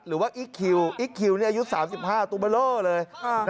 หรือว่าอิคคิวอิคคิวนี่อายุ๓๕ตัวเบลอเลย